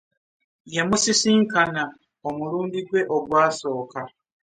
Yamusisisnkana omulundi gwe ogwasooka .